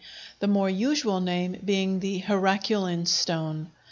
the more usual name being "the Heraclean stone."